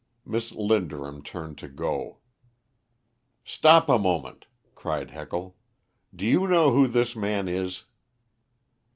Miss Linderham turned to go. "Stop a moment," cried Heckle; "do you know who this man is?"